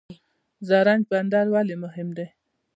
زرنج بندر ولې مهم دی؟